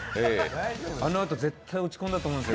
あのあと絶対落ち込んだと思うんですよ。